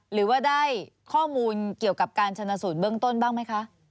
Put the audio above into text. หรือว่าได้ข้อมูลเกี่ยวกับการชนสูตรเบื้องต้นบ้างไหมคะ